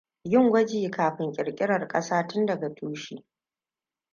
Yin gwaji kafin ƙirƙirar ƙasa tun daga tushe.